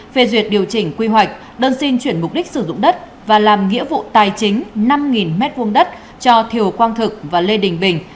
phê duyệt điều chỉnh quy hoạch đơn xin chuyển mục đích sử dụng đất và làm nghĩa vụ tài chính năm m hai đất cho thiều quang thực và lê đình bình